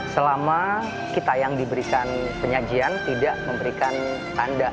selama kita yang diberikan penyajian tidak memberikan tanda